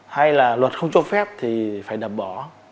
hay là luật không cho phép thì phải đập bỏ